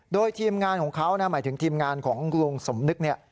โดยทีมงานของเขานะหมายถึงทีมงานของลุงสมนึกเนี่ย